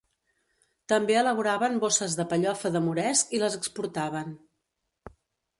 També elaboraven bosses de pellofa de moresc i les exportaven.